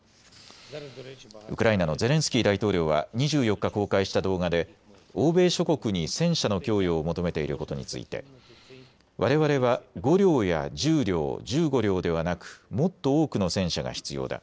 ウクライナのゼレンスキー大統領は２４日公開した動画で欧米諸国に戦車の供与を求めていることについてわれわれは５両や１０両、１５両ではなくもっと多くの戦車が必要だ。